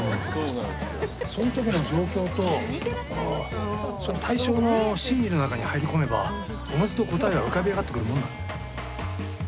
そのときの状況とその対象の心理の中に入り込めば自ずと答えは浮かび上がってくるもんなんだ。